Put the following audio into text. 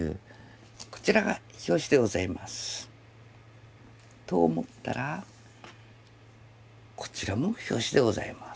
こちらが表紙でございます。と思ったらこちらも表紙でございます。